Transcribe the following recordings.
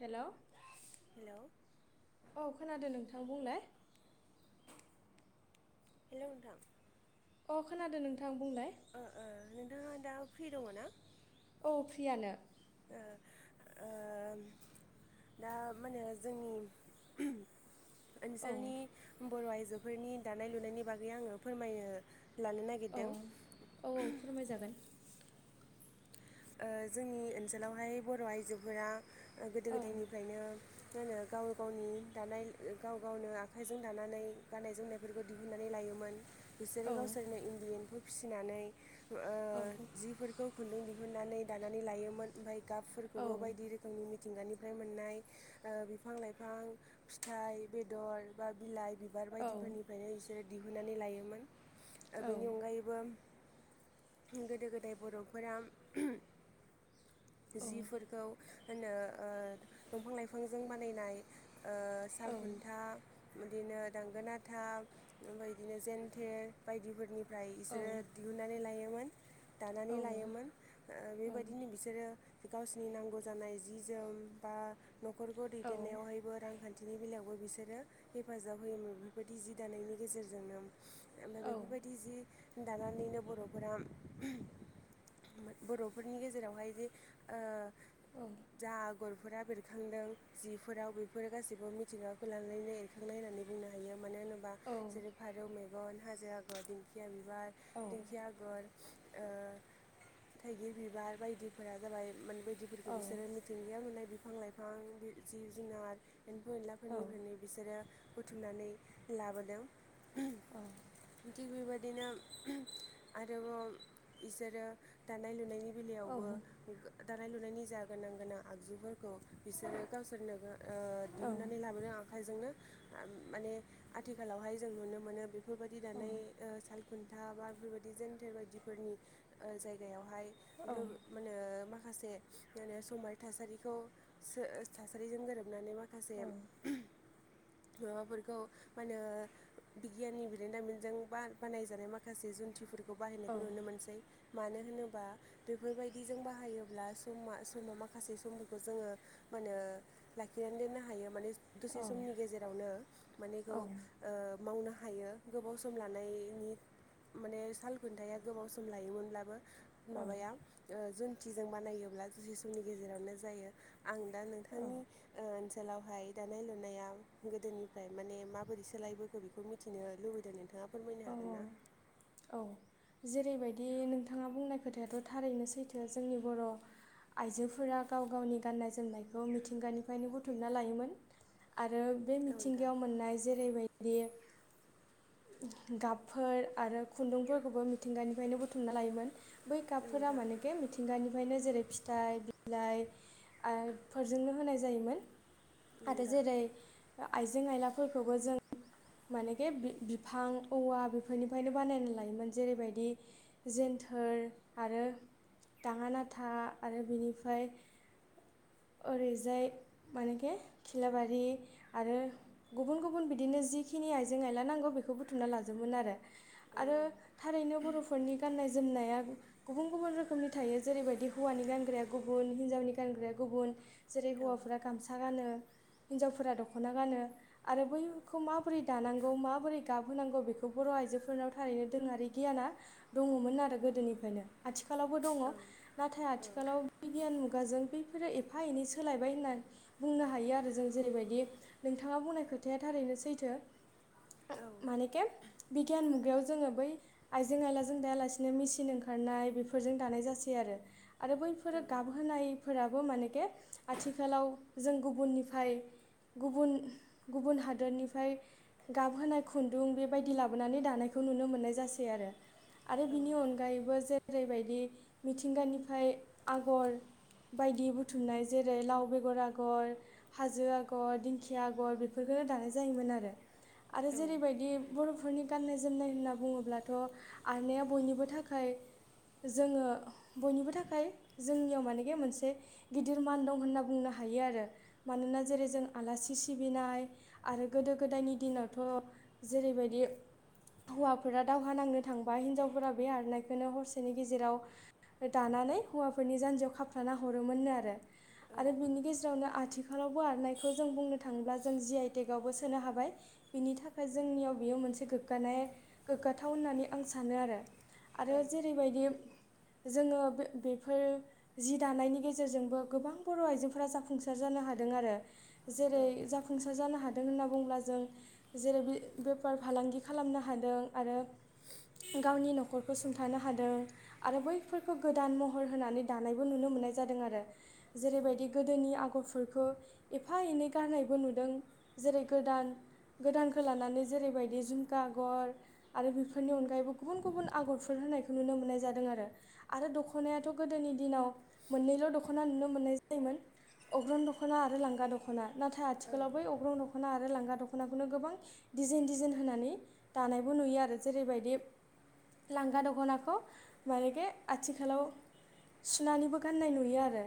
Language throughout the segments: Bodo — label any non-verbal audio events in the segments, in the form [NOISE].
हेल' औ हेलौ खोनादों नोंथां बुंलाय हेल' नोंथां अह खोनादों नोंथां बुंलाय ओ ओ नोंथाङा दा फ्रि दङ ना? औ फ्रियानो ओ - ओम- दा मानो जोंनि औ ओनसोलनि बर' आइजोफोरनि दानाय लुनायनि बागै आङो फोरमायनो लानो औ नागिरदों औ फोरमायजागोन ओ जोंनि ओनसोलावहाय बर' आइजोफोरा ओ गोदो औ गोदायनिफ्रायनो फ्रायनो गाव गावनि दानाय गाव गावनो आखाइजों दानानै गाननाय जोमनायफोरखौ दिहुननानै लायोमोन बिसोरो औ गावसोरनो इन्दि एम्फौ फिसिनानै ओ औ जिफोरखौ खुन्दुं दिहुनन्नानै दानानै लायोमोन ओमफ्राय औ गाबफोरखौबो बायदि रोखोमनिनो मिथिंगानिफ्राय मोननाय ओ बिफां लाइफां फिथाइ बेदर बा बिलाइ बिबार औ बायदिफोरनिफ्रायनो बिसोरो दिहुननानै लायोमोन ओ औ बेनि अनगायैबो गोदो गोदाय बर'फोरा औ जिफोरखौ होनो ओ दंफां लाइफांजों बानायनाय ओ औ औ सालखुन्था बिदिनो दांगोनाथां ओमफ्राय बिदिनो जेन्थे बायदिफोरनि ओमफ्राय बिसोरो दिहुननानै लायोमोन दानानै लायोमोन ओ बेबायदिनो बिसोरो गावसिनि नांगौ जानाय जि जोम बा न'खरखौ दैदेननायावहायबो रांखान्थि बिदिनि बेलायावबो बिसोरो हेफाजाब होयोमोन बेबायदि जि दानायनि गेजेरजोंनो ओमफ्राय बेफोरबायदि जि दानानैनो बर'फोरा मोन बर'फोरनि गेजेरावहाय जे ओ जा गरफोरा बेरखांदों जिफोराव बेफोर गासैबो मिथिंगाखौ लानानैनो एरखांनाय होननानै बुंनो हायो मानो होनोबा जेरै फारौ मेगन हाजो आगर दिंखिया बिबार दिंखिया आगर ओ थाइगिर बिबार बायदिफोरा जाबाय मान बायदिफोरखौ बिसोरो मिथिंगायाव नुनाय बि- बिफां लाइफां दि जिब जुनारार एम्फौ एनलाफोरनिफ्रायनो बिसोरो बुथुमनानै लाबोदों औ थिग बेबायदिनो आरोबाव बिसोरो दानाय लुनायनि बेलायावबो गो दानाय लुनायनि जा गोनां गोनां आगजुफोरखौ बिसोरो गावसोरनो गो औ खाजोंनो माने आथिखालावहाय जों नुनो मोनो बेफोरबायदि दानाय स खुन्था बा बेफोरबायदि जेनथेर बायदिफोरनि जायगायावहाय मा होनो माखासे माहोनो समारि थासारिखौ थासारिजों गोरोबनानै माखासे माखासे माबाफोरखौ मा होनो बिगियाननि बिदेनदामिनजों बा बानायजानाय माखासे जुन्थिफोरखौ बे खौ बाहायनायखौ नुनो मोनसै मानो होनोबा बेफोरबायदि जों बाहायोब्ला समा समाव माखासे समफोरखौ जोङो मा होनो लाखिनानै दोननो हायो माने दसे समनि गेजेरावनो मानेखौ मावनो थायो गोबाव सम लानायनि माने सालखुनथाया गोबाव सम लायो मोनब्ला माबाया जुन्थिजों बानायोब्ला जुसि समनि गेजेरावनो जायो। आं दा औ नोंथांनि ओ आथाखालावहाय दानाय लुनाया गोदोनिफ्राय माने माबोरै सोलायबोगो बेखौ मिथिनो लुबैदों नोंथाङा? फोरमायनो औ हागोन ना औ औ। जेरैबायदि नोंथाङा बुंनाय खोथायाथ' थारैनो सैथो जोंनि बर' आइजोफोरा गाव गावनि गाननाय जोमनायखौ मिथिंगानिफ्रायनो बुथुमना लायोमोन। आरो बे औ नोंथां मिथिंगायाव मोननाय जेरैबायदि गाबफोर आरो खुन्दुंफोरखौबो मिथिंगानिफ्रायनो बुथुमना लायोमोन। बै औ गाबफोरा नोंथां मानि बे मिथिंगानि ओमफ्रायनो जेरै फिथाइ बिलाइ फोरजोंनो होनाय जायोमोन। आरो जेरै आइजें आयलाफोरखौबो जों माने बे बिफां औवा बेफोरनिफ्रायनो बानायना लायोमोन जेरैबायदि जेन्थोर आरो दाङोनाथा आरो बेनिफ्राय ओरैजाय मानेखे खिलाबारि आरो गुबुन गुबुन बिदिनो जिखिनि आयजें आयला नांगौ बेखौ बुथुमना लाजोबमोन आरो। नोंथां औ आरो थारैनो बर'फोरनि गान्नाय जोमनाया गुबुन गुबुन रोखोमनि थायो जेरैबायदि हौवानि गानग्राया गुबुन हिनजावनि गानग्राया गुबुन जेरै औ हौवाफोरा गामसा गानो हिनजावफोरा दख'ना गानो आरो बैखौ खौ माबोरै दानांगौ माबोरै गाबहोनांगौ बेखौ बर' आइजोफोरनाव थारैनो दोरोङारि गियाना दङ। मोन आरो गोदोनिफ्रायनो आथिखालावबो दङ नाथाय आथिखालाव बिगियान मुगाजों बे फोर एफा एनै सोलायबाय होननानै बुंनो हायो आरो जों जेरैबायदि नोंथाङा बुंनाय खोथाया थारैनो। सैथो औ मानेखे बिगियान मुगायाव जोङो बै आइजें आयलाजों दायालासिनो मेसिन ओंखारनाय बेफोरजों दानाय जासै आरो आरो बैफोर गाबहोनाय। मानेखे आथिखालाव जों गुबुननिफ्राय गुबुन गुबुन हादोरनिफ्राय गाबहोनाय खुन्दुं बेबायदि लाबोनानै दानायखौ खौ नुनो मोननाय जासै आरो आरो बिनि अनगायैबो जेरैबायदि मिथिंगानिफ्राय आगर बायदि बुथुमनाय जेरै लाव बेगर आगर हाजो आगर दिंखिया आगर बेफोरखौनो जोन आरो जेरैबायदि बर'फोरनि गाननाय जोमनाय होनना बुङोब्लाथ' आनाया बयनिबो थाखाय जोङो बयनिबो थाखाय जोंनियाव माने मोनस से गिदिर मान दं होनना बुंनो हायो आरो मानोना जेरै जों आलासि सिबिनाय। आरो गोदो गोदायनि दिनावथ' जेरैबायदि हौवाफोरा दावहा नांनो थांबा हिनजावफोरा बे आरनायखौनो हरसेनि गेजेराव दानानै हौवाफोरनि जान्जियाव खाफ्र्लाना हरोमोननो आरो आरो बिनि गेजेरावनो आथिखा आरोबाव आरनायखौ जों बुंनो थाङोब्ला जों जि आइ टेकवबो सोनो हाबाय बिनि थाखाय जोंनियाव बेयो मोन। मोनसे गोग्गानाय गोग्गाथाव होननानै आं सानो आरो। आरो जेरैबायदि जोङो बेफोर जि दानायनि गेजेरजोंबो गोबां बर' आइजोफोरा जाफुंसार जानो हादों आरो। जेरै जाफुंसार जानो हादों हादों होनना बुंङोब्ला जों जेरै बे बेफार फालांगि खालामनो हादों आरो गावनि नखरखौ सुंथानो हादों आरो बैफोरखौ गोदान महर होनानै दानाय नुनो मोननाय जादोंआरो जेरैबायदि गोदोनि आगरफोरखौ एफा एनै गारनायबो नुदों दों जेरै गोदान गोदानखौ लानानै जेरैबायदि जिंखा आगर आरो बेफोरनि अनगायैबो गुबुन गुबुन आगरफोर होननायखौ नुनो मोननाय जादोंआरो आरो दखनायाथ गोदोनि दिनाव मोननैल दखना नुनो मोननाय जायोमोन अग्रन दखना आरो लांगा दखना नाथाय आथिखालाव बै अग्रं दखना [UNINTELLIGIBLE] लांगा दखनाखौनो गोबां डिजाइन डिजाइन होनानै दानायबो नुयोआरो जेरैबायदि लांगा दखनाखौ मानेगे आथिखालाव सुनानैबो गाननाय नुयोआरो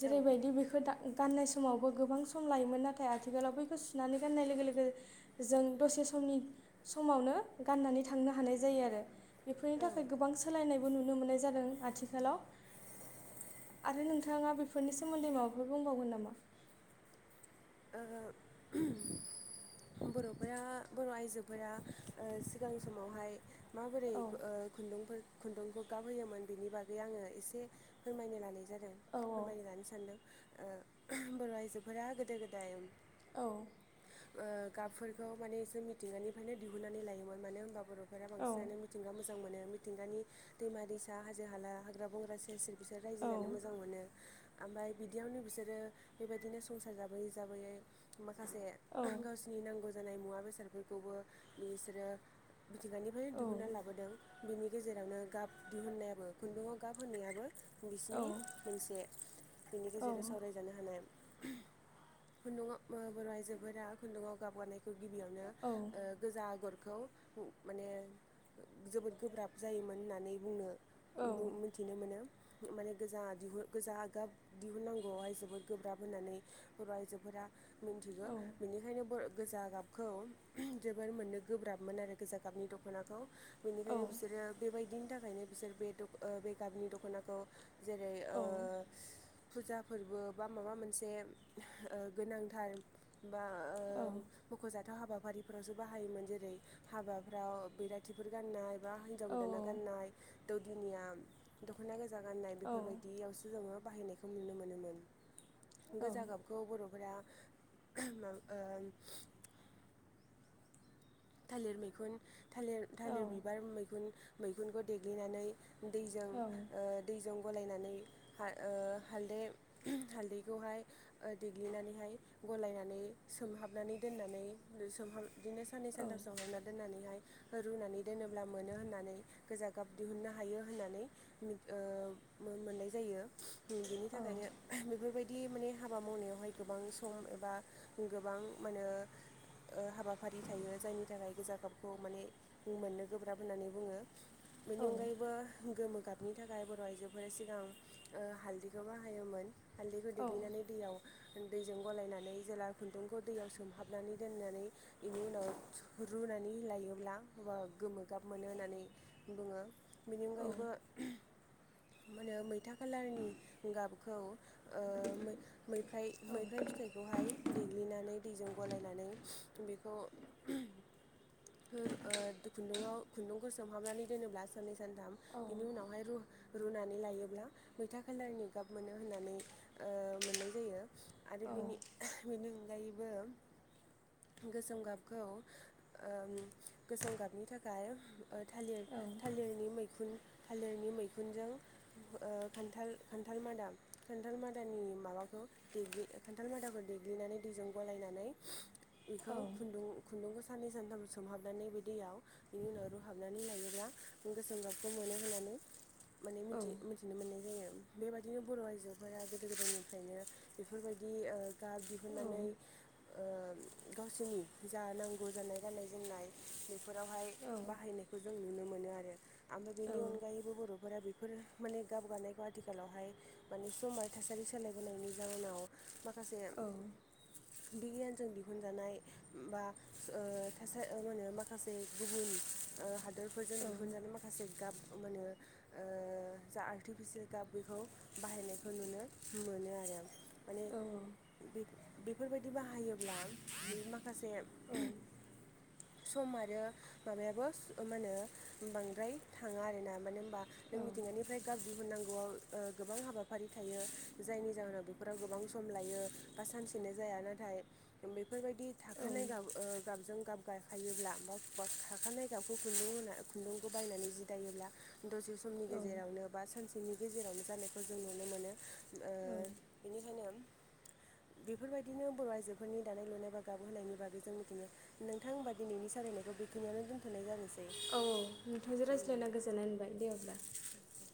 जेरैबायदि बेखौ दा गाननाय समावबो गोबां सम लायोमोन नाथाय आथिखालाव बैखौ सुनानै गाननाय लोगो लोगो जों दसे लंबे समनि समावनो गाननानै थांनो हानाय जायो आरो बेफोरनि थाखाय गोबां सोलायनायबो नुनो मोननाय जादों आथिखालाव आरो नोंथाङा बेफोरनि सोमोन्दै माबाफोर बुंबावगोन नामा? [INAUDIBLE] बरफोरा बर आइजोफोरा ओ सिगां समावहाय माबोरै औ ओ खुन्दुंफोर खुन्दुंखौ गाब होयोमोन बेनि बागै आङो एसे फोरमायनो लानाय जादों औ फोरमाय लानो सानदों बर' आइजोफोरा गोदो गोदाय औ गाबफोरखौ माने एसे मिथिंगानिफ्रायनो दिहुननानै लायोमोन मानो होनबा बर'त औ बांसिनानो मिथिंगा मोजां मोनो मिथिंगानि दैमा दैसा हाजो हाला हाग्रा बंग्रा सेर बिसोर रायजो औ जानो मोजां मोनो ओमफ्राय बिदियावनो बिसोरो बेबायदिनो संसार जाब [INAUDIBLE] जानाय मुवा औ बेसादफोरखौबो बिसोरो मिथिंगानिफ्रायनो दिहुनना लाबोदों बिनि गेजेरावनो गाब दिहुननायाबो खुन्दुङाव गाब होनायाबो औ बिसिनि मोनसे बिनि औ गेजेरजों सावरायजानो हानाय [INAUDIBLE] औ खौ माने जोबोद गोब्राब जायोमोन होननानै बुंनो [INAUDIBLE] माने गोजा दिहुन गोजागाब दिहुननांगौवाहाय जोबोद गोब्राब होननानै बर आइजोफोरा मिन्थिगौ औ बेनिखायनो बर गोजा गाबखौ जोबोर मोननो गोब्राबमोन आरो गोजा गाबनि औ दखनाखौ [INAUDIBLE] जेरै ओ फुजा फोरबो बा माबा मोनसे ओ गोनांथार बा ओ मखजाथाव [UNINTELLIGIBLE] हाबाफारिफोरावसो बाहायोमोन जेरै हाबाफ्राव बैराथिफोर गाननाय बा हिजाव गोदाना गाननाय दौदिनिया दखना गो जा गाननाय बेफोरबायदियावसो जोङो बाहायनायखौ नुनो मोनोमोन गोजा गाबखौ बरफोरा मा ओ [INAUDIBLE] दैजों ओ दैजों गलायनानै हा ओ हालदै हालदैखौहाय देग्लिनानैहाय गलायनानै सोमहाबनानै दोननानै सोमहाबना बिदिनो साननैसो सानथाम सोमहाबना दोन्नानैहाय रुनानै दोनोब्ला मोनो होननानै गोजा गाब दिहुननो हायो होननानै ओ मोननाय जायो बेनि थाखायनो बेफोरबायदि बिदि माने हाबा मावनायावहाय गोबां सम एबा गोबां माहोनो ओ हाबाफारि थायो जायनि थाखाय गोजा गाबखौ माने मोननो गोब्राब होननानै बुङो बेनि अनगायैबो गोमो गाबनि थाखाय बर' आइजोफोरा सिगां हालदैखौ बाहायोमोन हालदैखौ देग्लिनानै दैयाव दैजों गलायनानै जेला खुन्दुंखौ दैयाव सोमहाबनानै दोननानै बेनि उनाव रुनानै लायोब्ला गोमो गाब मोनो होननानै बुङो बेनि अनगायैबो मा होनो मैथा खालारनि गाबखौ मैफ्राय मैफ्राय फिथाइखौहाय देग्लिनानै दैजों गलायनानै बेखौ फोर ओ खुन्दुंआव खुन्दुंखौ सोमहाबनानै दोनोब्ला सानै सानथाम बिनि उनावहाय रु रुनानै लायोब्ला मैथा खाालारनि गाब मोनो होननानै ओ मोननाय जायो। आरो बिनि बिनि अनगायैबो गोसोम गाब खौ गोसोम ओम गाबनि थाखाय ओ थालिर थालिरनि मैखुन थालिरनि मैखुन बिखुनजों ओ खान्थाल खान्थाल मादा खान्थाल मादानि माबाखौ देग्लि खान्थाल माथाखौ देग्लिनानै दैजों गलायनानै बेखौ खुन्दुं खुन्दुंखो साननै सानथाम सोमहाबनानै बि दैयाव बिनि उनाव रुहाबनानै लायोब्ला गोसोम गाबखौ मोनो होनानै माने मिथि मिथिनो मोननाय जायो। बेबायदिनो बर' आइजोफोरा गोदो गोदायनिफ्रायनो बेफोरबायदि ओ गाब दिहुनन्नानै ओ गावसोरनि जा नांगौ जानाय गाननाय जोमनाय बेफोरावहाय बाहायनायखौ जों नुनो मोनो आरो। आमो औ बेनि अनगायैबो बर'फोरा बे बेफोर माने गाबगानायखौ आथिखालावहाय माने सम आरो थासारि सोलायबोनायनि जावनाव माखासे औ बिगियानजों दिहुनजानाय बा ओ थासा माहोनो माखासे गुबुन ओ हादोर फोरजों दिहुननानै माखासे गाब मोनो ओ जा आर्टिफिसियेल गाब बेखौ बाहायनायखौ नुनो मो मोनो आरो माने बेबेफोरबायदि बाहायोब्ला माखासे औ। सम आरो माबायाबो मा होनो बांद्राय थाङा आरोना माने बा नों मिथिंगानिफ्राय गाब दिहुननांगौ गोबां ओ हाबाफारि थायो जायनि जाहोनाव बेफोराव गोबां सम लायो बा सानसेनो जाय जाया नाथाय बेफोरबायदि थाखानाय गाब ओ गाबजों गाब गायाखायोब्ला बा खाखानाय गाबखौ खुन्दुं होन खुन्दुंखौ बायनानै जि दायोब्ला दसे समनि गेजेरावनो बा सानसेनि गेजेरावनो जानायखौ जों नुनो मोनो। औ। ओंखायनो बेफोरबायदिनो बर' आइजोफोरनि दानाय लुनाय बा गाब होनायनि बागै जों मिथियो नोंथां होनबा दिनैनि सालायनायखौ बेखियानो दोन्थ'नाय जानोसै। नोंथांजों उम रायज्लायना गोजोननाय मोनबाय दे अब्ला दे